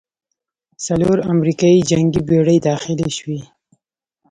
څلور امریکايي جنګي بېړۍ داخلې شوې.